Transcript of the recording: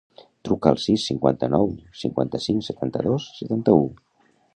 Truca al sis, cinquanta-nou, cinquanta-cinc, setanta-dos, setanta-u.